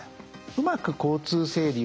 うまく交通整理をする。